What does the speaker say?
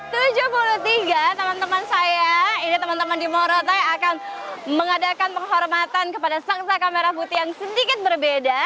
teman teman saya ini teman teman di morotai akan mengadakan penghormatan kepada sangsaka merah putih yang sedikit berbeda